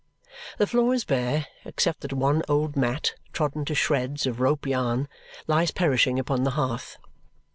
The floor is bare, except that one old mat, trodden to shreds of rope yarn, lies perishing upon the hearth.